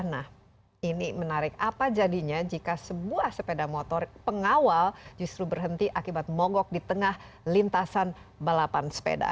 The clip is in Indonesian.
nah ini menarik apa jadinya jika sebuah sepeda motor pengawal justru berhenti akibat mogok di tengah lintasan balapan sepeda